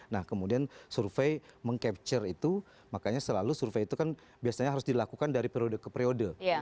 nah kemudian survei meng capture itu makanya selalu survei itu kan biasanya harus dilakukan dari periode ke periode